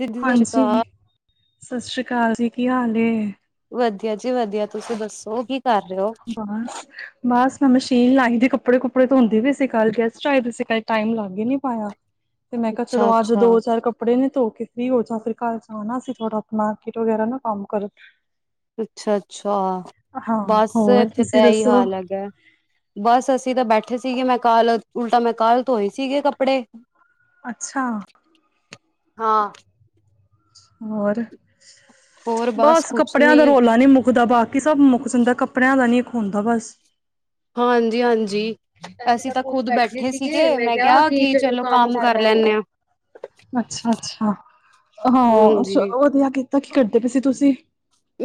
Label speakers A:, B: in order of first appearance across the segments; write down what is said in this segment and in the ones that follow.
A: ਦੀਦੀ ਸਤਿ ਸ਼੍ਰੀ ਅਕਾਲ
B: ਹਾਂਜੀ, ਸਸ ਸ੍ਰੀ ਕਾਲ ਜੀ, ਕੀ ਹਾਲ ਏ?
A: ਵਧੀਆ ਜੀ ਵਧੀਆ, ਤੁਸੀਂ ਦੱਸੋ ਕੀ ਕਰ ਰੇ ਓ?
B: ਬਸ ਬਸ ਮੈਂ ਮਸ਼ੀਨ ਲਾਈ ਦੀ ਕੱਪੜੇ ਕੁੱਪੜੇ ਧੋਦੀ ਪੀ ਸੀ, ਕੱਲ ਗੈਸਟ ਆਏ ਦੇ ਸੀ, ਕੱਲ ਟਾਈਮ ਲੱਗ ਈ ਨੀ ਪਾਇਆ।
A: [inaudible]
B: ਤੇ ਮੈਂ ਕਯਾ ਚਲੋ
A: ਅੱਛਾ
B: ਅੱਜ
A: ਅੱਛਾ
B: ਦੋ ਚਾਰ ਕੱਪ ਕੱਪੜੇ ਨੇ ਧੋ ਕੇ ਫਰੀ ਹੋ ਜਾ, ਫਿਰ ਕੱਲ ਜਾਨਾ ਸੀ ਥੋੜ੍ਹਾ ਮਾਰਕੀਟ ਵਗੈਰਾ ਨਾ ਕੰਮ ਕਰਨ
A: ਅੱਛਾ-ਅੱਛਾ
B: ਹਾਂ,
A: ਬਸ
B: ਹੋਰ
A: ਏਥੇ ਤਾਂ
B: ਤੁਸੀਂ
A: ਏਈ
B: ਦੱਸੋ?
A: ਹਾਲ ਹੈਗਾ। ਬਸ ਅਸੀਂ ਤਾਂ ਬੈਠੇ ਸੀਗੇ ਮੈਂ ਕੱਲ ਉਲਟਾ ਮੈਂ ਕੱਲ ਧੋਏ ਸੀਗੇ ਕੱਪੜੇ।
B: ਅੱਛਾ।
A: ਹਾਂ।
B: ਹੋਰ
A: ਹੋਰ
B: ਬਸ
A: ਕੁਛ
B: ਕੱਪੜਿਆਂ
A: ਨੀ
B: ਦਾ ਰੌਲਾ ਨੀ ਮੁੱਕਦਾ ਬਾ ਕੀ ਸਭ ਮੁੱਕ [unintelligible] ਕੱਪੜਿਆਂ ਦਾ ਨੀ ਇੱਕ ਹੁੰਦਾ ਬਸ।
A: ਹਾਂਜੀ-ਹਾਂਜੀ। ਅਸੀਂ ਤਾਂ ਖੁੱਦ ਬੈਠੇ ਸੀਗੇ ਮੈਂ ਕਯਾ ਕਿ ਚਲੋ ਕੰਮ ਕਰ ਲੈਨੇ ਆਂ।
B: ਅੱਛਾ-ਅੱਛਾ, ਹਾਂ
A: ਹਾਂਜੀ
B: ਚਲੋ ਵਧੀਆ ਕੀਤਾ ਕੀ ਕਰਦੇ ਪਏ ਸੀ ਤੁਸੀਂ?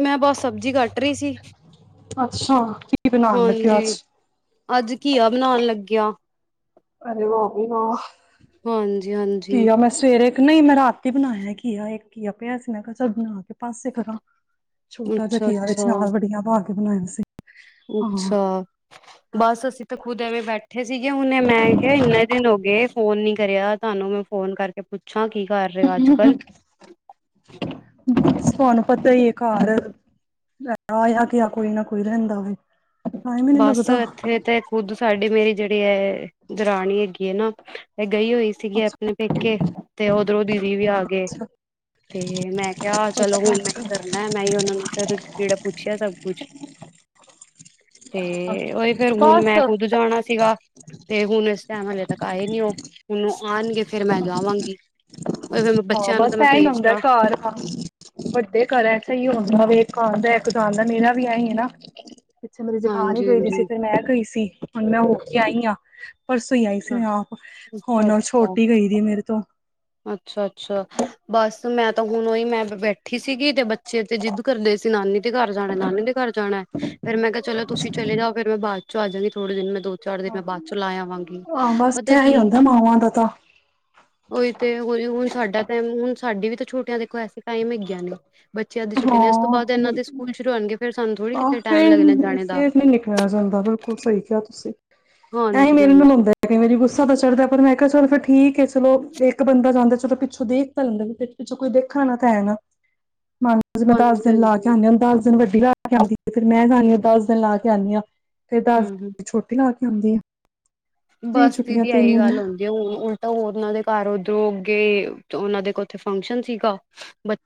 A: ਮੈਂ ਬਸ ਸਬਜ਼ੀ ਕੱਟ ਰਹੀ ਸੀ
B: ਅੱਛਾ ਕੀ ਬਨਾਨ ਲੱਗੇ ਔ
A: ਹਾਂਜੀ
B: ਅੱਜ
A: ਅੱਜ ਘਿਆ ਬਨਾਨ ਲੱਗੇ ਆ ਹਾਂਜੀ ਹਾਂਜੀ
B: [unintelligible] ਸਵੇਰੇ ੲਕ ਨਹੀਂ ਮੈਂ ਰਾਤੀ ਬਣਾਇਆ ਕੀਆ ਇਕ ਕੀਆ ਪਿਆ ਸੀ ਮੈਂ ਕਿਹਾ ਚਲ ਬਨਾ ਕੇ ਪਾਸੇ ਕਰਾਂ ਛੋਟਾ ਜੇਆ
A: ਅੱਛਾ
B: ਕਿਆ ਵਿਚ
A: ਅੱਛਾ
B: ਨਾਲ ਵੱੜੀਆਂ ਪਾ ਕੇ ਬਨਾਆ ਸੀ ਹਾਂ
A: ਅੱਛਾ ਬਸ ਅਸੀਂ ਤਾਂ ਖੁਦ ਐਵੇਂ ਬੈਠੇ ਬੱਠੇ ਸੀਗੇ ਹੁਨੇ ਮੈਂ ਕਿਆ ਇੰਨੇ ਦਿਨ ਹੋ ਗਏ ਫੋਨ ਨੀ ਕਰਿਆ ਤੁਹਾਨੂੰ ਮੈਂ ਫੋਨ ਕਰਕੇ ਪੁੱਛ ਪੁੱਛਾਂ ਕੀ ਕਰ ਰਹੇ ਔ ਅਜ
B: [inaudible]
A: [inaudible]
B: ਤੁਹਾਨੂੰ ਪਤਾ ਈ ਏ ਘਰ ਆਯਾ ਗਯਾ ਕੋਈ ਨਾ ਕੋਈ ਰਹਿੰਦਾ ਵੇ ਟਾਈਮ ਈ ਨੀ
A: ਬਸ
B: ਲੱਗਦਾ
A: ਇੱਥੇ ਤੇ ਖੁਦ ਸਾਡੀ ਮੇਰੀ ਜਿਹੜੀ ਏ ਦਰਾਨੀ ਹੈਗੀ ਏ ਨਾ- ਇਹ ਗਈ ਹੋਈ ਸੀਗੀ
B: ਅੱਛਾ
A: ਆਪਣੇ ਪੇਕੇ ਤੇ ਓਧਰੋਂ ਦੀਦੀ ਵੀ ਆ ਗਏ ਤੇ ਮੈਂ ਕਿਆ ਚਲੋ
B: ਅੱਛਾ
A: ਹੁਂਣ ਮੈਂ ਹੀ
B: ਅੱਛਾ
A: ਕਰਨਾ ਮੈਂ ਹੀ ਉਹਨਾਂ ਨੂੰ ਫਿਰ ਕੇੜਾ ਪੁੱਛਿਆ ਸਭ ਕੁਛ ਤੇ
B: ਅੱਛਾ
A: ਉਹੀ ਫੇਰ ਹੁਣ ਮੈਂ
B: ਬਸ
A: ਖੁਦ ਜਾਣਾ ਸੀਗਾ ਤੇ ਹੁਨ ਇਸ ਟਾਈਮ ਹਲੇੇ ਤੱਕ ਆਏ ਨੀ ਉਹ ਹੁਣ ਆਨਗੇ ਫਿਰ ਮੈਂ ਜਾਵਾਂਗੀ
B: ਹਾਂ
A: ਬੱਚਿਆਂ ਨੂੰ ਤਾਂ
B: ਬਸ
A: ਮੈਂ
B: ਐ ਈ ਹੂੰਦਾ
A: ਭੇਜਤਾ
B: ਘਰ ਵੱਡੇ ਘਰ ੲਚ ਅੲਯੋ ਹੋੰਦਾ ਵੇ ਇੱਕ ਆੰਦਾ ਇੱਕ ਜਾੰਦਾ ਮੇਰਾ ਵੀ ਐ ਈ ਏ ਨਾ ਪਿੱਛੇ ਮੇਰੀ ਜੇਠਾਣੀ
A: ਹਾਂਜੀ
B: ਗਈ ਦੀ ਸੀ
A: ਹਾਂਜੀ
B: ਫਿਰ ਮੈਂ ਗਈ ਸੀ ਹੁਨ ਮੈਂ ਹੋ ਕੇ ਆਈ ਆ ਪਰਸੋਂ ਹੀ ਆਈ ਸੀ ਮੈਂ ਆਪ ਹੁਣ ਛੋਟੀ ਗਈ ਦੀ ਮੇਰੇ ਤੋਂ
A: ਅੱਛਾ ਅੱਛਾ ਬਸ ਮੈਂ ਤਾਂ ਹੁਨ ੳਹੀ ਮੈਂ ਬੈਠੀ ਸੀਗੀ ਤੇ ਬੱਚੇ ਤੇ ਜਿੱਦ ਕਰਦੇ ਸੀ ਨਾਨੀ ਦੇ ਘਰ ਜਾਣਾ ਨਾਨੀ ਦੇ ਘਰ ਜਾਣਾ ਫੇਰ ਮੈਂ ਕਿਹਾ ਚਲੋ ਤੁਸੀਂ ਚਲੇ ਜਾਓ ਫਿਰ ਮੈਂ ਬਾਦ ਚ ਆ ਜਾਂਗੀ ਥੋੜੇ ਦਿਨ ਮੈਂ ਦੋ ਚਾਰ ਦਿਨ
B: ਹ
A: ਮੈਂ ਬਾਅਦ ਚੋਂ ਲਾ ਆਵਾਂਗੀ।
B: ਹਾਂ ਬਸ
A: ਪਤਾ
B: ਐ
A: ਕੀ
B: ਹੀ ਹੁੰਦਾ ਮਾਵਾਂ ਦਾ ਤਾਂ
A: ਉਹੀ ਤੇ ਹੋਹੀ ਹੁਣ ਸਾਡਾ ਟੈਮ ਹੁਣ ਸਾਡੀ ਵੀ ਤਾਂ ਛੋਟੀਆਂ ਦੇਖੋ ਐਸੇ ਟਾਈਮ ਹੈਗੀਆਂ ਨੇ ਬੱਚਿਆਂ ਦੀ ਛੁੱਟੀ ਨੇ ਇਸ ਤੋਂ
B: ਹਾਂ
A: ਬਾਅਦ ਇਹਨਾਂ ਦੇ ਸਕੂਲ ਸ਼ੁਰੂ ਹੋਣ ਫਿਰ ਸਾਨੂੰ ਥੋੜ੍ਹੀ
B: ਆਹ
A: ਕਿਥੇ ਟਾਈਮ
B: ਫੇਰ
A: ਲੱਗਣਾ ਜਾਣੇ ਦਾ
B: ਫੇਰ ਨੀ ਨਿਕਲਿਆ ਜਾਂਦਾ ਬਿਲਕੁਲ ਸਹੀ ਕਿਆ ਤੁਸੀਂ ਐ ਈ ਮੇਰੇ ਨਾਲ
A: ਹਾਂਜੀ-ਹਾਂਜੀ,
B: ਹੁੰਦਾ ਮੈਂ ਕਈ ਵਾਰੀ ਗੁੱਸਾ ਤਾ ਚੜਦਾ ਪਰ ਮੈਂ ਕਿਆ ਚਲ ਫਿਰ ਠੀਕ ਏ ਚਲੋ ਇੱਕ ਬੰਦਾ ਜਾਂਦਾ ਚਲੋ ਪਿੱਛੋਂ ਦੇਖ ਤਾ ਲੈੰਦਾ ਪਿਛੋ ਕੋਈ ਦੇਖਨ ਆਲਾ ਤਾ ਹੈ ਨਾ ਮੰਨ ਮੈਂ ਦਸ ਦਿਨ ਲਾ ਕੇ
A: ਹਾਂਜੀ-ਹਾਂਜੀ,
B: ਆਨੀ ਆ ਦਸ ਦਿਨ ਵੱਡੀ ਲਾ ਕੇ ਆੰਦੀ ਏ ਫਿਰ ਮੈਂ ਜਾਨੀ ਆ ਦਸ ਦਿਨ ਲਾ ਕੇ ਆਨੀ ਆ ਫੇਰ ਦਸ
A: ਹੂੰ-ਹੂੰ
B: ਦਿਨ ਛੋਟੀ ਲਾ ਕੇ ਆੰਦੀ ਏ, ਤੇ ਛੁੱਟੀਆਂ ਤਿੰਨ ਦਿਨ
A: ਤੇ ਹੁਣ ਉਲਟਾ ਉਨਾਂ ਦੇ ਘਰ ਉਧਰੋਂ ਗਏ ਤੇ ਉਹਨਾਂ ਦੇ ਕੋ ਉੱਥੇ ਫੰਕਸ਼ਨ ਸੀਗਾ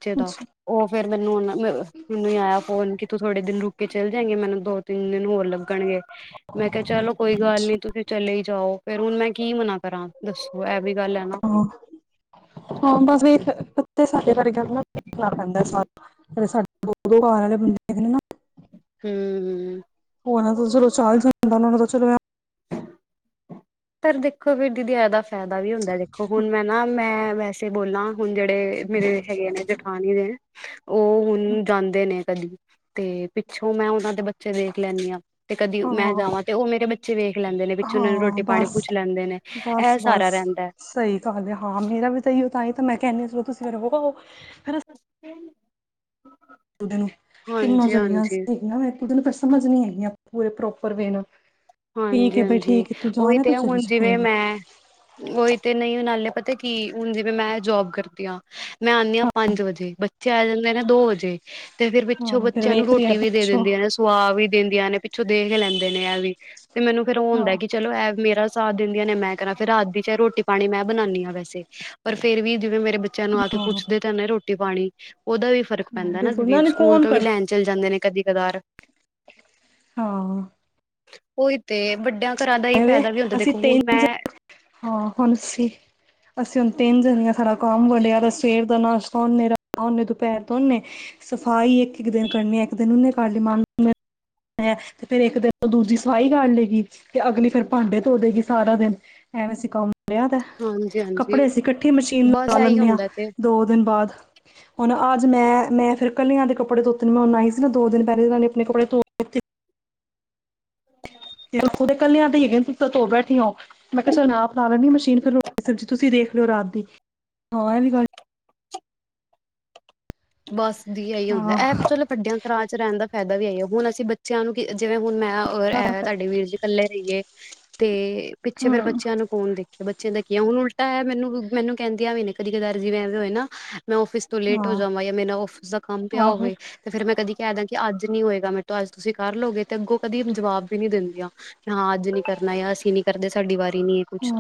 A: ਚੇ ਦਾ ਉਹ ਫਿਰ ਮੈਨੂੰ ਉਹ ਮੈਨੂੰ ਹੀ ਆਇਆ ਫੋਨ ਕਿ ਤੂੰ ਥੋੜੇ ਦਿਨ ਰੁਕੇ ਕੇ ਚੱਲ ਜਾਏਗੀ ਮੈਨੂੰ ਦੋ ਤਿੰਨ ਦਿਨ ਹੋਰ ਲੱ ਲਗਨਗੇ ਮੈਂ ਕਿਆ ਚਲੋ ਕੋਈ ਗੱਲ ਨੀ ਤੁਸੀਂ ਚਲੇ ਜਾਓ ਫੇਰ ਹੁਣ ਮੈਂ ਕੀ ਮਨਾ ਕਰਾਂ ਦੱਸੋ ਇਹ ਵੀ ਗੱਲ ਏ ਨਾ
B: ਹਾਂ ਬਸ ਵੀ ਪਤੇ ਸਾਡੇ ਬਾਰੇ ਗੱਲ ਨਾ ਦੇਖਣਾ ਪੈਂਦਾ ਸ ਜਿਹੜੇ ਸਾਡੇ ਦੋ ਦੋ ਘਰ ਵਾਲੇ ਬੰਦੇ ਨੇ ਨਾ
A: ਹੰ ਹੰ
B: [unintelligible]
A: ਪਰ ਦੇਖੋ ਫੇਰ ਦੀਦੀ ਇਹਦਾ ਫਾਇਦਾ ਵੀ ਹੁੰਦਾ ਦੇਖੋ ਹੁਣ ਮੈਂ ਨਾ ਮੈਂ ਵੈਸੇ ਜੇ ਬੋਲਾਂ ਹੁਣ ਜਿਹੜੇ ਮੇਰੇ ਹੈਗੇ ਨੇ ਜਠਾਨੀ ਦੇ ਉਹ ਹੁਣ ਜਾਂਦੇ ਨੇ ਕਦੀ ਤੇ ਪਿੱਛੋਂ ਮੈਂ ਉਨਾਂ ਦੇ ਬੱਚੇ ਵੇਖ ਲੈਂਨੀ ਆਂ ਤੇ ਕਦੀ ਮੈਂ
B: ਹਾਂ
A: ਜਾਵਾਂ ਤੇ ਉਹ ਮੇਰੇ ਬੱਚੇ ਚੇ ਵੇਖ ਲੈਂਦੇ ਨੇ ਵਿੱਚ ਉਹਨਾਂ ਨੂੰ
B: ਹਾਂ
A: ਰੋਟੀ ਪਾਣੀ
B: ਬਸ
A: ਪੂਛ ਲੈਂਦੇ ਨੇ ਇਹ
B: ਬਸ
A: ਸਾਹਰਾ
B: ਬਸ
A: ਰਹਿੰਦਾ ਏ
B: ਸਹੀ ਗੱਲ ਐ, ਹਾਂ ਮੇਰਾ ਵੀ ਤੇ ਐ ਈਓ ਤਾਂਹੀ ਤਾਂ ਮੈਂ ਕਹਿੰਨੀ ਹਾ ਚਲੋ ਤੁਸੀਂ ਫੇਰ ਰਹੋ, ਹੇਨਾ
A: [inaudible]
B: ਤਿੰਨੋ
A: ਹਾਂਜੀ
B: ਜਣੀਆਂ
A: ਹਾਂਜੀ
B: ਸੀਗੀਆਂ, ਮੈਂ ਖੁਦ ਨੂੰ ਸਮਝ ਨੀ ਹੇਗੀਆਂ ਪੂਰੇ ਪ੍ਰੋਪਰ ਵੇ ਨੂੰ
A: ਹਾਂਜੀ-ਹਾਂਜੀ, ਉਹੀ ਤੇ
B: ਚਲੀ
A: ਹੁਣ
B: ਜਾ ਕੋਈ
A: ਜਿਵੇਂ
B: ਨੀ
A: ਮੈਂ ਉਹੀ ਤੇ ਨਹੀਂ ਨਾਲੇ ਪਤਾ ਕੀ ਹੁਣ ਜਿਵੇਂ ਮੈਂ ਜੋਬ ਕਰਦੀ ਆਂ ਮੈਂ ਆਨੀ ਆਂ ਪੰਜ ਵਜੇ ਬੱਚੇ ਆ ਜਾਂਦੇ ਨੇ ਦੋ ਵਜੇ। ਤੇ ਫੇਰ ਪਿੱਛੋਂ
B: ਹਾਂ ਫਿਰ
A: ਬੱਚਿਆਂ ਨੂੰ
B: ਵੇਖ ਰਹੀ ਹੈ
A: ਰੋਟੀ ਵੀ ਦੇ
B: ਪੁੱਛੋ
A: ਦਿੰਦੀਆਂ ਨੇ ਸੁਆ ਵੀ ਦਿੰਦੀਆਂ ਨੇ ਪਿੱਛੋਂ ਦੇਖ ਲੈਂਦੇ ਨੇ ਇਹ ਵੀ ਤੇ ਮੈਨੂੰ ਫੇਰ ਉਹ
B: ਹਾਂ
A: ਹੁੰਦਾ ਕਿ ਚਲੋ ਇਹ ਮੇਰਾ ਸਾਥ ਦਿੰਦੀਆਂ ਨੇ ਮੈਂ ਕਰਾ ਫੇਰ ਰਾਤ ਦੀ ਚ ਰੋਟੀ ਪਾਣੀ ਮੈਂ ਬਣਾਂਦੀ ਹਾਂ ਵੈਸੇ ਪਰ ਫੇਰ ਵੀ ਜਿਵੇਂ ਮੇਰੇ ਬੱਚਿਆਂ ਨੂੰ ਆ ਕੇ
B: ਹਾਂ
A: ਪੁੱਛਦੇ ਤਾਂ ਨੇ ਰੋਟੀ ਪਾਣੀ, ਉਹਦਾ ਵੀ ਫਰਕ
B: ਹਾਂ
A: ਪੈਂਦਾ ਨਾ
B: ਬਿਲਕੁਲ
A: ਦੀਦੀ ਸਕੂਲ
B: ਕੌਣ
A: ਤੋਂ ਵੀ
B: ਕਰ
A: ਲੈਣ ਚਲੇ ਜਾਂਦੇ ਨੇ ਕਦੀ-ਕਦਾਰ
B: ਹਾਂ।
A: ਉਹੀ ਤੇ ਵੱਡਿਆਂ ਘਰਾਂ ਦਾ ਏਹੀ
B: ਐਵੇਂ
A: ਫਾਇਦਾ ਵੀ ਹੁੰਦਾ
B: ਅਸੀਂ
A: ਦੇਖੋ
B: ਤਿੰਨ
A: ਹੁਣ ਮੈਂ
B: ਹਾਂ, ਹੁਣ ਸੀ ਅਸੀਂਂ ਹੁਣ ਤਿਨ ਜਣਿਆ ਸਾਰਾ ਕੰਮ ਬੰਦਿਆ ਸਵੇਰ ਦਾ ਨਸ਼ਤਾ ਉਨੇ, ਰਾਤ ਦਾ ਉਨੇ, ਦੁਪਹਿਰ ਦਾ ਉਨੇ ਸਫ਼ਾਈ ਇੱਕ-ਇੱਕ ਦਿਨ ਕਰਨੀ ਇੱਕ ਦਿਨ ਉਹਨੇ ਕਰ ਲਈ, ਮਾਨ ਹੈ, ਤੇ ਫੇਰ ਇੱਕ ਦਿਨ ਦੂਜੀ ਸਫਾਈ ਕਰ ਲੇਗੀ ਤੇ ਅਗਲੀ ਫੇਰ ਭਾਂਡੇ ਧੋ ਦੇਗੀ ਸਾਰਾ ਦਿਨ, ਐਵੇਂ ਅਸੀਂ ਕੰਮ ਦਯਾ ਦਾ,
A: ਹਾਂਜੀ
B: ਕੱਪੜੇ
A: ਹਾਂਜੀ
B: ਅਸੀਂ ਇਕੱਠੀ ਮਸ਼ੀਨ
A: ਬਸ
B: ਲਗਾ
A: ਇਹੀ
B: ਲੈਂਨੇ ਆਂ
A: ਹੁੰਦਾ ਤੇ
B: ਦੋ ਦਿਨ ਬਾਦ ਹੁਣ ਅੱਜ ਮੈਂ, ਮੈਂ ਫੇਰ ਕੱਲਿਆਂ ਦੇ ਕੱਪੜੇ ਧੋਤੇ ਨੇ ਮੈਂ ਹੁਣ ਆਈ ਸੀ ਨਾ ਦੋ ਦਿਨ ਪਹਿਲੈ ਉਨ੍ਹਾਂ ਨੇ ਆਪਣੇ ਕੱਪੜੇ ਧੋ
A: [inaudible]
B: ਤਤੇ ਉਥੋਂ ਦੇ ਕੱਲਿਆਂ ਦੇ ਈ ਹੈਗੇ ਨੇ ਤੁਸੀ ਤਾ ਤੋਂ ਬੈਠੀਆਂ ਓ, ਮੈਂ ਕਹਿਆ ਚਲ ਮੈਂ ਆਪ ਲਾ ਲੈਂਣੀ ਮਸ਼ੀਨ ਫੇਰ ਰੋਟੀ ਸਬਜ਼ੀ ਤੁਸੀਂ ਦੇਖ ਲਯੋ ਰਾਤ ਦੀ, ਹਾਂ ਇਹ ਵੀ ਗੱਲ
A: ਬਸ ਦੀ ਏਇ ਹੁੰਦਾ
B: ਹਾਂ
A: ਐ, ਐ ਚਲੋ ਵੱਡਿਆ ਘਰਾਂ ਚ ਰਹਿਣ ਦਾ ਫਾਇਦਾ ਵੀਈਏ, ਹੁਣ ਅਸੀਂ ਬੱਚਿਆਂ ਨੂੰ ਕਿ ਜਿਵੇਂ ਹੁਣ ਮੈਂ ਅ ਔਰ ਏਹ ਤੁਹਾਡੇ ਵੀਰ ਜੀ ਕੱਲੇ ਰਹੀਏ ਤੇ ਪਿੱਛੇ ਫੇਰ
B: ਹਾਂ
A: ਬੱਚਿਆਂ ਨੂੰ ਕੌਣ ਦੇਖੇ ਬੱਚਿਆਂ ਦਾ ਕੀ ਆ, ਹੁਣ ਉਲਟਾ ਐ ਮੈਨੂੰ-ਮੈਨੂੰ ਕਹਿੰਦੀਆਂ ਵੀ ਨੇ ਕਦੀ-ਕਦਾਰ ਜਿਵੇ ਐਵੇਂ ਹੋਏ ਨਾ, ਮੈਂ ਆਫ਼ਿਸ ਤੋਂ ਲੇਟ ਹੋ
B: ਹਾਂ
A: ਜਾਵਾਂ ਯਾ ਮੇਰੇ ਨਾ ਆਫ਼ਿਸ ਦਾ ਕੰਮ ਪਿਆ
B: ਆਹੋ
A: ਹੋਵੇ ਤੇ ਫੇਰ ਮੈਂ ਕਦੀ ਕਹਿਦਾ ਕਿ ਅੱਜ ਨੀ ਹੋਏਗਾ ਮੇਰੇ ਤੋਂ ਅੱਜ ਤੁਸੀਂ ਕਰ ਲੋ ਗੇ ਤੇ ਅੱਗੋਂ ਕਦੀ ਜਵਾਬ ਵੀ ਨਹੀਂ ਦਿੰਦੀਆਂ ਕਿ ਹਾਂ ਅੱਜ ਨੀ ਕਰਨਾ ਯਾ ਅਸੀਂ ਨੀ ਕਰਦੇ ਸਾਡੀ ਵਾਰੀ ਨੀ ਐ ਇਹ ਕੁਛ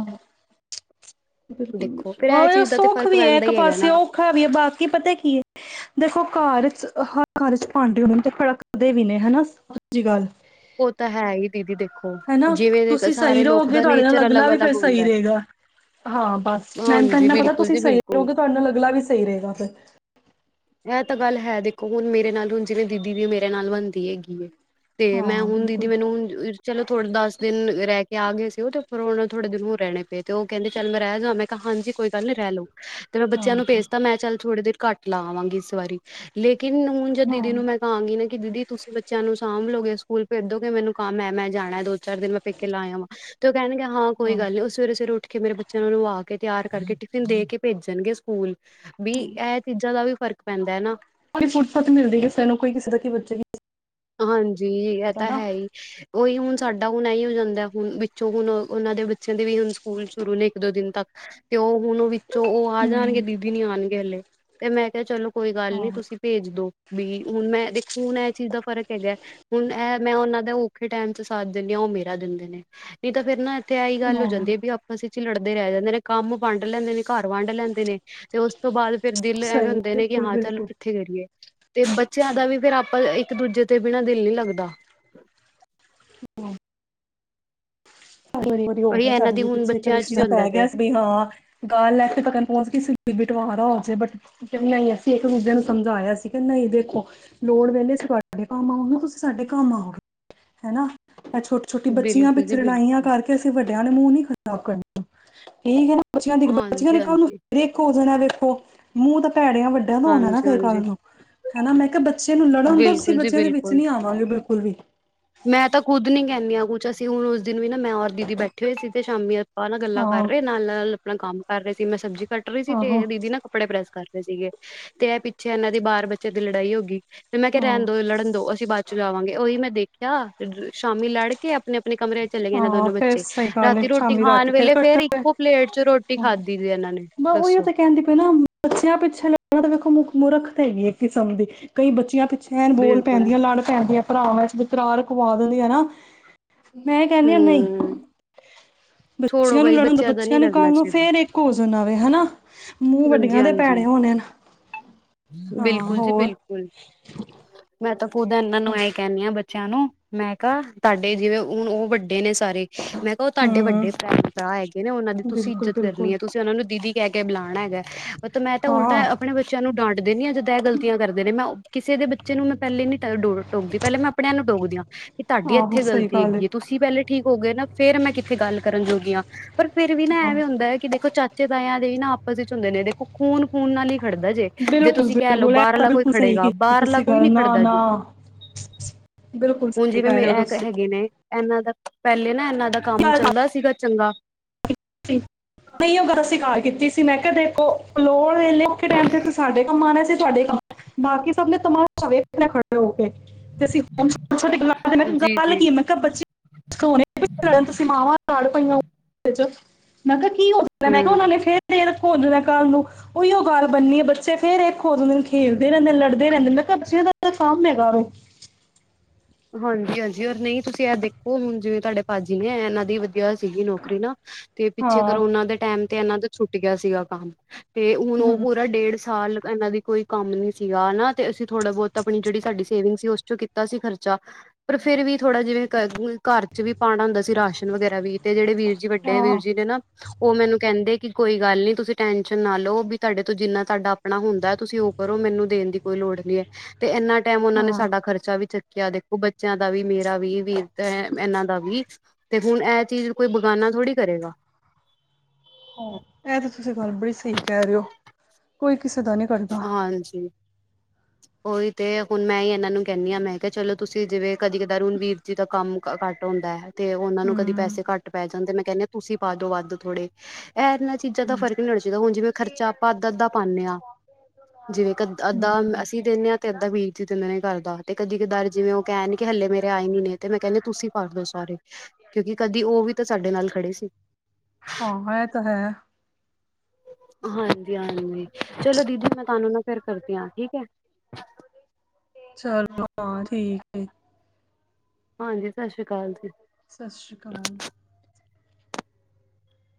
B: ਬਿਲਕੁਲ-ਬਿਲਕੁਲ, ਓ ਇਹ
A: ਚੀਜ਼ ਦਾ ਤੇ
B: ਸੁਖ
A: ਫ਼ਰਕ
B: ਵੀ ਏ
A: ਪੈਂਦਾ
B: ਇੱਕ
A: ਹੀ ਹੈਗਾ
B: ਪਾਸੇ
A: ਨਾ
B: ਉ ਔਖਾ ਵੀ ਏ ਬਾਕੀ ਪਤਾ ਕੀ ਏ, ਦੇਖੋ ਘਰ ਚ ਕਰ ਚ ਭਾਂਡੇ ਹੋਨ ਤੇ ਖੜਕ ਦੇ ਵੀ ਨੇ ਹਨਾ, ਸਚੀ ਗੱਲ
A: ਉਹ ਤਾਂ ਐ ਹੀ ਦੀਦੀ ਦੇਖੋ
B: ਹਨਾ,
A: ਜਿਵੇਂ ਦੇ
B: ਤੁਸੀਂ ਸਹੀ
A: ਸਾਰੇ ਲੋਕ
B: ਰਹੋਗੇ
A: ਦਾ
B: ਤੁਹਾਡੇ ਨਾਲ
A: ਨੇਚਰ
B: ਅਗਲਾ ਵੀ ਫੇਰ
A: ਅਲੱਗ-ਅਲੱਗ ਹੁੰਦਾ
B: ਸਹੀ
A: ਹੈ।
B: ਰਹੇਗਾ ਹਾਂ ਬਸ ਮੈਨੂੰ ਤ
A: ਹਾਂਜੀ
B: ਏਨਾ ਪਤਾ
A: ਬਿਲਕੁਲ
B: ਤੁਸੀਂ
A: ਜੀ
B: ਸਹੀ
A: ਬਿਲਕੁਲ
B: ਰਹੋਗੇ ਤੁਹਾਡੇ ਨਾਲ ਅਗਲਾ ਵੀ ਸਹੀ ਰਹੇਗਾ ਫੇਰ
A: ਇਹ ਤਾਂ ਗੱਲ ਹੈ, ਦੇਖੋ ਹੁਣ ਮੇਰੇ ਨਾਲ ਹੁਣ ਜਿਵੇਂ ਦੀਦੀ ਦੀ ਮੇਰੇ ਨਾਲ ਬਣਦੀ ਹੈਗੀ ਏ ਤੇ ਮੈਂ
B: ਹਾਂ
A: ਹੁਣ ਦੀਦੀ
B: ਬਿਲਕੁਲ
A: ਮੈਨੂੰ ਉਂਜ ਚਲੋ ਥੋੜੇ ਦਸ ਦਿਨ ਰਹਿ ਕੇ ਆ ਗਏ ਸੀ ਉਹ ਫੇਰ ਹੁਣ ਥੋੜੇ ਦਿਨ ਹੋਰ ਰਹਿਣੇ ਪਏ ਤੇ ਉਹ ਕਹਿੰਦੇ ਚੱਲ ਮੈਂ ਰਹਿ ਜਾ ਮੈਂ ਹਾਂਜੀ, ਕੋਈ ਗੱਲ ਨੀ ਰਹਿ ਲੋ। ਤੇ ਮੈਂ
B: ਹਾਂ
A: ਬੱਚਿਆਂ ਨੂੰ ਭੇਜਤਾ ਮੈਂ ਚੱਲ ਥੋੜੀ ਦੇਰ ਘੱਟ ਲਾ ਆਵਾਂਗੀ ਇਸ ਵਾਰੀ, ਲੇਕਿਨ ਹੁਣ ਜੇ
B: ਹਾਂ
A: ਦੀਦੀ ਨੂੰ ਮੈਂ ਕਹਾਂਗੀ ਨਾ ਕਿ ਦੀਦੀ ਤੁਸੀਂ ਬੱਚਿਆਂ ਨੂੰ ਸਾਂਭਲੋਗੇ ਸਕੂਲ ਭੇਜ ਦੋਗੇ ਮੈਨੂੰ ਕੰਮ ਏ ਮੈਂ ਜਾਣਾ ਦੋ ਚਾਰ ਦਿਨ ਮੈਂ ਪੇਕੇ ਲਾ ਆਵਾ, ਤੇ ਉਹ ਕਹਿਣਗੇ ਹਾਂ ਕੋਈ ਗੱਲ ਨੀ ਉਹ ਸਵੇਰੇ-ਸਵੇਰੇ ਉੱਠ ਕੇ ਮੇਰੇ ਬ ਬੱਚਿਆਂ ਨੂੰਆ ਕੇ, ਤਿਆਰ ਕਰਕੇ, ਟਿਫਿਨ ਦੇ ਕੇ ਪੇਜਣਗੇ ਸਕੂਲ, ਵੀ ਇਹ ਚੀਜ਼ਾਂ ਦਾ ਵੀ ਫਰਕ ਪੈਂਦਾ ਨਾ
B: ਕੋਈ ਫੁੱਸਤ ਮਿਲਦੀ ਹੈ ਕਿਸੇਾਨ ਨੂੰ ਕੋਈ ਕਿਸੇ ਦਾ ਕੀ ਬੱਚੇਗਿ
A: ਹਾਂਜੀ ਇਹ ਤਾਂ ਹੈ ਹੀ। ਉਹੀ ਹੁਣ ਸਾਡਾ ਹੁਣ ਇ ਹੋ ਜਾਂਦਾ ਹੁਣ ਵਿੱਚੋਂ ਹੁਣ ਉਹਨਾਂ ਦੇ ਬੱਚਿਆਂ ਦੇ ਵੀ ਹੁਣ ਸਕੂਲ ਸ਼ੁਰੂ ਨੇ ਇੱਕ ਦੋ ਦਿਨ ਤੱਕ ਤੇ ਉਹ ਹੁਣ ਉਨੂਵਿ ਚ' ਉਹ ਆ ਜਾਣਗੇ
B: ਹਮ
A: ਦੀਦੀ ਨੀ ਆਉਣਗੇ ਹਲੇ ਤੇ ਮੈਂ ਕਿਹਾ, ਚਲੋ ਕੋਈ ਗੱਲ
B: ਹਾਂ
A: ਨੀ ਤੁਸੀਂ ਭੇਜ ਦੋ। ਵੀ ਹੁਣ ਮੈਂ ਦੇਖੋ ਹੁਣ ਇਹ ਚੀਜ਼ ਦਾ ਫ਼ਰਕ ਹੈਗਾ ਹੁਣ ਇਹ ਮੈਂ ਉਹਨਾਂ ਦਾ ਔਖੇ ਟਾਈਮ ਚ' ਸਾਥ ਦਿੰਦੀ ਹਾਂ ਉਹ ਮੇਰਾ ਦਿੰਦੇ ਨੇ ਨਹੀਂ ਤਾਂ ਫ਼ਿਰ ਨਾ ਤੇ ਆਹੀ ਗੱਲ ਹੋ
B: ਹਾਂ
A: ਜਾਂਦੀ ਵੀ ਆਪ ਸ ਚ' ਲੜਦੇ ਰਹਿ ਜਾਂਦੇ ਨੇ ਕੰਮ ਵੰਡ ਲੈਂਦੇ ਨੇ, ਘਰ ਵੰਡ ਲੈਂਦੇ ਨੇ, ਤੇ ਉਸ ਤੋਂ ਬਾਅਦ ਫਿਰ ਦਿਲ ਐਵੇਂ
B: ਸਹੀ
A: ਹੁੰਦੇ ਨੇ ਕਿ
B: ਬਿਲਕੁਲ
A: ਹਾਂ ਚੱਲ
B: ਬਿਲਕੁਲ
A: ਕਿੱਥੇ ਕਰੀਏ ਤੇ ਬੱਚਿਆਂ ਦਾ ਵੀ ਫੇਰ ਆਪਾਂ ਇੱਕ ਦੂਜੇ ਤੇ ਬਿਨਾਂ ਦਿਲ ਨਹੀਂ ਲੱਗਦਾ।
B: [unintelligible] ਸਡੂੰ ਵਾਰੀ ਵਾਰੀ ਹੋ
A: ਉਹੀ
B: ਗਿਆ
A: ਇਹਨਾਂ
B: ਸਾਡੇ
A: ਦੀ
B: ਵੀ
A: ਹੁਣ
B: ਪਿੱਛੇ ਇਕ
A: ਬੱਚਿਆਂ
B: ਲਿਸ਼
A: ਚ ਵੀ
B: ਜਿਆ
A: ਹੁੰਦਾ
B: ਪੈ ਗਿਆ
A: ਤੇ
B: ਸੀ। ਵੀ ਹਾਂ ਗਾਲ ਲੈ ਕੇ ਤਕਣ ਪਹੁੰਚ ਕੇ ਬਿਟਵਾਰ ਹੋਜੇ ਬਟ ਨਹੀਂ, ਅਸੀਂ ਇੱਕ ਦੂਜੇ ਨੂੰ ਸਮਝਾਇਆ ਸੀ ਕਿ ਨਹੀਂ ਦੇਖੋ ਲੋੜ ਵੇਲੇਸੀਂ ਤੁਹਾਡੇ ਕੰਮ ਆਉਗੇ ਤੁਸੀਂ ਸਾਡੇ ਕੰਮ ਆਓਗੇ ਹਨਾ ਮ ਛੋਟੇ। ਛੋਟੀ ਬੱਚੀਆਂ
A: ਬਿਲਕੁਲ
B: ਪਿੱਛ
A: ਜੀ
B: ਲੜਾਈਆਂ
A: ਬਿਲਕੁਲ
B: ਕਰਕੇ ਅਸੀਂ ਵੱਡਿਆਂ ਨੇ ਮੂੰਹ ਨੀ ਖਰਾਬ ਕਰਨ ਠੀਕ ਹੈ ਨਾ। ਬੱਚੀਆਂ ਦੀ ਬੱਚੀਆਂ
A: ਹਾਂਜੀ
B: ਦੇ ਕਲ ਨੂੰ
A: ਹਾਂਜੀ
B: ਫਿਰ ਇੱਕ ਹੋ ਜਾਣਾ ਵੇਖੋ ਮੂੰਹ ਤਾਂ ਭੈੜਿਆਂ ਵੱਡਾ ਨਾ ਹੋਣਾ ਨਾ
A: ਹਾਂਜੀ
B: ਫੇਰ ਕੱਲ
A: ਹਾਂਜੀ
B: ਨੂੰ। ਹਨਾ ਮੈਂ ਕਿਹਾ ਬੱਚੇ ਨੂੰ ਲੜਨ ਤੋਂ ਅਸੀਂ
A: ਬਿਲਕੁਲ ਜੀ
B: ਬੱਚਿਆਂ ਦੇ
A: ਬਿਲਕੁਲ
B: ਵਿੱਚ ਨੀ ਆਵਾਂਗੇ ਬਿਲਕੁਲ ਵੀ।
A: ਮੈਂ ਤਾਂ ਖੁਦ ਨੀ ਕਹਿੰਦੀ ਹ ਕੁਛ ਅਸੀਂ ਹੁਣ ਉਸ ਦਿਨ ਵੀ ਨਾ ਮੈਂ ਔਰ ਦੀਦੀ ਬੈਠੇ ਹੋਏ ਸੀ ਤੇ ਸ਼ਾਮੀ ਆਪ ਨਾਲ ਗੱਲਾਂ ਕਰ
B: ਹਾਂ
A: ਰਹੇ ਨਾਲ ਨਾਲ ਆਪਣਾ ਕੰਮ ਕਰ ਰਹੇ ਸੀ ਮੈਂ ਸਬਜ਼ੀ ਕੱਟ ਰਹੀ ਸੀ
B: ਆਹੋ
A: ਤੇ ਦੀਦੀ ਨਾ ਕੱਪੜੇ ਪ੍ਰੈਸ ਕਰ ਰਹੇ ਸੀਗੇ ਤੇ ਇਹ ਪਿੱਛੇ ਇਹਨਾਂ ਦੀ ਬਾਰ ਬੱਚੇ ਦੀ ਲੜਾਈ ਹੋ ਗਈ। ਤੇ ਮੈਂ ਕਿਹਾ ਰਹਿਣ
B: ਹਾਂ
A: ਦੋ ਲੜਨ ਦੋ ਅਸੀਂ ਬਾਅਦ ਚ' ਜਾਵਾਂਗੇ ਉਹੀ ਮੈਂ ਦੇਖਿਆ ਤੇ ਸ਼ਾਮੀ ਲੜ ਕੇ ਆਪਣੇ ਆਪਣੇ ਕਮਰੇ ਚਲੇ ਗਏ ਨਾ
B: ਹਾਂ
A: ਦੋਨੋ
B: ਫੇਰ
A: ਬੱਚੇ।
B: ਸਹੀ ਗੱਲ ਏ
A: ਰਾਤੀ ਰੋਟੀ
B: ਸ਼ਾਮੀ
A: ਖਾਣ
B: ਰਾਤੀ
A: ਵੇਲੇ ਫੇਰ
B: ਕੱਠੇ
A: ਇੱਕੋ ਪਲੇਟ ਚ' ਰੋਟੀ ਖਾਧੀ ਸੀ ਇਹਨਾਂ ਨੇ ਦੱਸੋ।
B: ਕੇਹਿੰਦੇ ਪ ਨਾ ਹੂ। ਬੱਚਿਆਂ ਪਿੱਛੇ ਲਾੜਨਾ ਤਾਂ ਵੇਖੋ ਮੁ ਮੂਰਖ ਹੈਗੀ ਹੈ ਕਿਸਮ ਦੀ ਕਈ ਬੱਚਿਆਂ ਪਿੱਛੇ ਫੈਣ ਬੋਲ
A: ਬਿਲਕੁਲ
B: ਪੈਂਦੀਆਂ ਲੜ ਪੈਂਦੀਆਂ ਭਰਾ ਵਕਰਾ ਰਕਵਾ ਦਿੰਦੀ ਆ ਨਾ ਮੈਂ ਕਹਿੰਦੀ ਹ ਨਹੀਂ
A: ਹਮ ਛੋੜੋ
B: ਬੱਚਿਆਂ ਨੂੰ
A: ਬਈ
B: ਲੜਨ ਦੋ
A: ਦਾ ਨੀ
B: ਬੱਚਿਆਂ ਨੇ ਕਲੱ
A: ਕਰਨਾ
B: ਨੂੰ
A: ਚਾਹੀਦਾ
B: ਫੇਰ ਇੱਕ ਹੋ ਜਾਣਾ ਵੈ ਹੈਨਾ ਮੂੰਹ
A: ਹਾਂਜੀ
B: ਵੱਡੀਆਂ ਦੇ
A: ਹਾਂਜੀ
B: ਭੈਣੇ ਹੋਣੇ ਹਨ ਹਾ
A: ਬਿਲਕੁਲ ਜੀ
B: ਹੋਰ
A: ਬਿਲਕੁਲ ਮੈਂ ਤਾਂ ਖੁਦ ਇਹਨਾਂ ਨੂੰ ਐ ਕਹਿੰਦੀ ਹਾਂ ਬੱਚ ਬੱਚਿਆਂ ਨੂੰ ਮੈਂ ਕਿਹਾ ਤੁਹਾਡੇ ਜਿਵੇਂ ਹੁਣ ਉਹ ਵੱਡੇ ਨੇ ਸਾਰੇ ਮੈਂ ਕਿਹਾ ਉਹ ਤੁ
B: ਹੂੰ
A: ਵੱਡੇ ਭੈਣ-ਲ ਭਰਾ ਹੈਗੇ ਨੇ ਉਹਨਾਂ ਦੀ ਤੁਸੀਂ
B: ਬਿਲਕੁਲ
A: ਇੱਜਤ ਕਰਨੀ
B: ਬਿਲਕੁਲ
A: ਹੈ ਤੁਸੀਂ ਉਹਨਾ ਨੂੰ ਦੀਦੀ ਕਹਿ ਕੇ ਬੁਲਾਣਾ। ਹੈਗਾ ਮੈਂ ਤਾਂ ਉਲਟਾ
B: ਹਾਂ
A: ਆਪਣੇ ਬੱਚਿਆਂ ਨੂੰ ਡਾਂਟਦੇ ਨੇ ਜਾਂ ਜਦ ਇਹ ਗਲਤੀਆਂ ਕਰਦੇ ਨੇ ਮੈਂ ਕਿਸੇ ਦੇ ਬੱਚੇ ਨੂੰ ਮੈਂ ਪਹਿਲੇ ਨੀ ਡ ਟੋਕਦੀ ਪਹਿਲ ਮੈਂ ਆਪ ਨੂੰ ਟੋਕਦੀਾਂ ਕਿ ਤੁਹਾਡੀ
B: ਆਹੋ
A: ਇੱਥੇ
B: ਸਹੀ
A: ਗਲਤੀ
B: ਗੱਲ ਏ
A: ਹੈਗੀਏ ਤੁਸੀਂ। ਚੀ ਪਹਿਲੇ ਠੀਕ ਹੋ ਗਏ ਨਾ ਫੇਰ ਮੈਂ ਕਿੱਥੇ ਗੱਲ ਕਰਨ ਜੋਗੀ ਹਾਂ। ਪਰ ਫੇਰ ਵੀ ਨਾ ਐਵੇਂ ਹੁੰਦਾ ਹੈ ਕਿ ਦੇਖੋ ਚਾਚੀ ਬੱਚੇ ਤਾਂ ਇਹ ਦੇ ਹੀ ਨਾ ਆਪਸ ਵਿੱਚ ਹੁੰਦੇ ਨੇ ਦੇਖੋ ਖੂਨ ਖੂਨ ਨਾਲ ਹੀ ਖੜਦਾ ਜੇ। ਜੇ
B: ਬਿਲਕੁਲ
A: ਤੁਸੀਂ ਕਹਿ ਲਓ
B: ਬਿਲਕੁਲ ਇਹ ਤਾਂ
A: ਬਾਹਰਲਾ ਕੋਈ
B: ਬਿਲਕੁਲ ਸਹੀ
A: ਖੜੇਗਾ
B: ਕੀਤੀ
A: ਬਾਹਰਲਾ
B: ਤੁਸੀਂ
A: ਕੋਈ
B: ਗੱਲ
A: ਨਹੀਂ
B: ਨਾ
A: ਖੜਦਾ ਜੀ।
B: ਨਾ ਬਿਲਕੁਲ
A: ਹੁਣ
B: ਸਹੀ
A: ਜਿਵੇਂ
B: ਕਹਿ
A: ਮੇ
B: ਰਹੇ ਹੋ
A: ਇਹ
B: ਤੁਸੀਂ
A: ਹੈਗੇ ਨੇ ਇਹਨਾਂ ਦਾ ਪਹਿਲੇ ਨਾ ਇਹਨਾਂ ਦਾ ਕੰਮ
B: ਗੱਲ ਤਾਂ
A: ਚੱਲਦਾ ਸੀਗਾ ਚੰਗਾ।
B: ਨਹੀਂ ਉਹ ਗੱਲ ਆਸੀ ਘਰ ਕੀਤੀ ਸੀ ਮੈਂ ਕਿਹਾ ਦੇਖੋ ਲੋੜ ਵੇਲੇ ਔਖੇ ਟਮ ਤੇ ਸਾਡੇ ਕੰਮ ਆਉਣੇ ਸੀ ਤੁਡੇ ਕੰਮ। ਬਾਕੀ ਸਭ ਨੇ ਤਮਾਸ਼ਾ ਵੇਖਣਾ ਖੜੇ ਹੋ ਕੇ।
A: ਜੀ ਜੀ
B: [unintelligible] [unintelligible] ਮਾਵਾਂ ਲੜ ਪਈਆ ੳ ਵਿੱਚ। ਮੈਂ ਕਿਹਾ ਕੀ ਹੋ ਮੈਂ ਕਿਹਾ,
A: ਹੂੰ
B: ੳਨਾ ਨੇ ਫੇਰ ਏਕ ਹੋ ਜਾਨਾ ਕੱਲ ਨੂੰ। ਉਹੀਓ ਗੱਲ ਬਨੀ ਏ। ਬੱਚੇ ਫੇਰ ਏਕ ਹੋ ਜਾਂਦੇ ਨੇ, ਖੇਲਦੇ ਰਹੰਦੇ ਨੇ, ਲੜਦੇ ਰਹੰਦੇ ਨੇ। ਮੈਂ ਕਿਹਾ, ਬੱਚੇਆ ਦਾ ਕੰਮ ਹੈਗਾ ੳ।
A: ਹਾਂਜੀ ਹਾਂਜੀ, ਅਰੇ ਨਈ ਤੁਸੀ ਏ ਦੇਖੋ ਹੁਣ ਜਿਵੇਂ ਤੁਹਾਡੇ ਭਾੱਜੀ ਏ, ਏਨਾਂ ਦੀ ਵਧਿਆ ਸੀਗੀ ਨੌਕਰੀ ਨਾ। ਤੇ ਪਿੱਛੇ
B: ਹਾਂ
A: ਕਰੋਨਾ ਦੇ ਟੈਮ ਤੇ ਏਨਾਂ ਦਾ ਛੁੱਟ ਗਿਆ ਸੀਗਾ ਕੰਮ। ਤੇ ਹੁਣ ਉਹ
B: ਹਮ
A: ਪੂਰਾ ਡੇਢ ਸਾਲ ਏਨਾਂ ਦੀ ਕੋਈ ਕੰਮ ਨੀ ਸੀਗਾ ਹੈਨਾ ਤੇ ਅਸੀ ਥੋੜਾ ਬਹੁਤ ਅਪਨੀ ਜੇਹੜੀ ਸਾਡੀ ਸੇਵਿੰਗ ਸੀ, ੳਸ ਚੋਂ ਕੀਤਾ ਸੀ ਖਰ ਚਾ ਪਰ ਫੇਰ ਵੀ ਥੋੜਾ ਜਿਵੇਂ ਘਰ ਘਰ ਚ ਵੀ ਪਾਨਾ ਹੁੰਦਾ ਸੀ ਤੇ ਰਾਸ਼ਨ ਵਗੈਰਾ ਵੀ ਤੇ ਜੇਹੜੇ ਵੀਰ ਜੀ ਵੱਡੇ ਵੀਰ
B: ਹਾਂ
A: ਜੀ ਨੇ ਨਾ ੳਨਾ ਨੂੰ ਕਹੰਦੇ ਕਿ ਕੋਈ ਗੱਲ ਨੀ ਤੁਸੀ ਟੈਨਸ਼ਨ ਨਾ ਲੋ ਵੀ ਤਾਡੇ ਤੋਂ ਜਿੰਨਾ ਤਾਡਾ ਆ ਪਨਾ ਹੁੰਦਾ ਤੁਸੀ ੳਹ ਕਰੋ ਮੈਨੂੰ ਦੇਨ ਦੀ ਕੋਈ ਲੋੜ ਨਈ ਹੈ। ਤੇ ਏਨਾ ਟੈਮ ੳਨਾਂ ਨੇ
B: ਹਾਂ
A: ਸਾਡਾ ਖਰਚਾ ਵੀ ਚੱਕਿਆ ਦੇਖੋ ਬੱਚਿਆਂ ਦਾ ਵੀ, ਮੇਰਾ ਵੀ ਵੀਰ ਤੇ ਏ ਏਨਾਂ ਦਾ ਵੀ ਤੇ ਹੁਣ ਏਹ ਚੀਜ਼ ਕੋਈ ਬਗਾਨਾ ਥੋੜੀ ਕਰੇਗਾ।
B: ਹਾਂ ਏਹ ਤਾ ਤੁਸੀਂ ਗੱਲ ਬੜੀ ਸਹੀ ਕਹ ਰਹੇ ੳ, ਕੋਈ ਕਿਸੇ ਦਾ ਨਈ
A: ਹਾਂਜੀ। ੳਹੀ ਤੇ ਹੁਣ ਮੈਂ ਈ ਏਨਾਂ ਨੂੰ ਕਹਨੀ ਆ, ਮੈਂ ਕਿਹਾ ਚਲੋ ਤੁਸੀਂ ਜਿਵੇਂ ਕਦੀ ਕਦਾਰ ਹੁਣ ਵੀਰ ਜੀ ਦਾ ਕੰਮ ਘੱਟ ਹੁੰਦਾ ਤੇ ੳਨਾਂ ਨੂੰ ਕਦੀ
B: ਹਮ।
A: ਪੈਸੇ ਘੱਟ ਪੈ ਜਾਂਦੇ ਮੈਂ ਕਹਨੀ ਆ ਤੁਸੀਂ ਪਾ ਦੋ ਵੱਧ ਥੋੜੇ ਏ ਏਨਾਂ ਚੀਜ਼ਾਂ ਦਾ ਫ਼ਰਕ ਨੀ ਹੋਨਾ ਚਾਹੀਦਾ, ਹੁਣ ਜਿਵੇਂ ਖਰਚਾ ਆਪਾਂ ਅੱਧਾ-ਅੱਧਾ ਪਾਣੇ ਆ, ਜਿਵੇਂ ਕਦ
B: ਹਮ।
A: ਅੱਧਾ ਮ ਅਸ ਦਿਨੇ ਆ ਤੇ ਅੱਧਾ ਵੀਰ ਜੀ਼ ਦਿੰਦੇ ਨੇ ਘਰ ਦਾ ਤੇ ਕਦੀ ਕਦਾਰ ਜਿਵੇਂ ਉਹ ਕਹਨ ਕਿ ਹਲੇ ਮੇਰੇ ਆਏ ਨੀ ਨੇ ਤੇ ਮੈਂ ਕਹਨੀ ਤੁਸੀਂ ਪਾ ਦੋ ਸਾਰੇ, ਕਿਉਂਕਿ ਕਦੀ ੳਹ ਵੀ ਤਾਂ ਸਾਡੇ ਨਾਲ ਖੜੇ ਸੀ।
B: ਹਾਂ ਏਹ ਤਾਂ ਹੈ।
A: ਹਾਂਜੀ ਹਾਂਜੀ। ਚਲੋ ਦੀਦੀ ਮੈਂ ਤੁਹਾਨੂੰ ਨਾ ਫੇਰ ਕਰਦੀ ਹਾਂ, ਠੀਕ ਹੈ।
B: ਚਲੋ ਹਾਂ ਠੀਕ ਏ।
A: ਹਾਂਜੀ ਸਤਿ ਸ਼੍ਰੀ ਅਕਾਲ ਜੀ।
B: ਸਤਿ ਸ਼੍ਰੀ ਅਕਾਲ।